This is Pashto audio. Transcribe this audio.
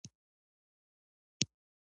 د میوو باغونه د تفریح ځایونه دي.